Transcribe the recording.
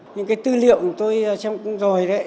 những cái tư liệu tôi xem cũng rồi đấy